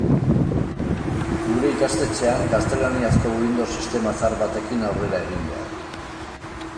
Gure ikastetxean gaztelaniazko Windows sistema zahar batekin aurrera egin behar.